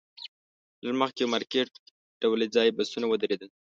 لږ مخکې یو مارکیټ ډوله ځای کې بسونه ودرېدل.